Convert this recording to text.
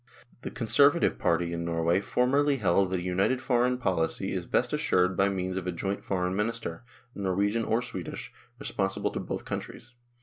The Conservative party in Norway formerly held that a united foreign policy is best assured by means of a joint Foreign Minister, Norwegian or Swedish, responsible to both countries.